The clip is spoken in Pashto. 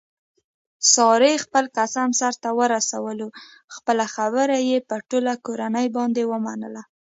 سارې خپل قسم سرته ورسولو خپله خبره یې په ټوله کورنۍ باندې ومنله.